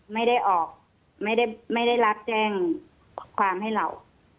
ไม่ได้ออกไม่ได้รับแจ้งความให้เรา